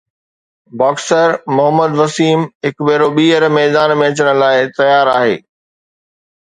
boxer Muhammad Waseem هڪ ڀيرو ٻيهر ميدان ۾ اچڻ لاءِ تيار آهي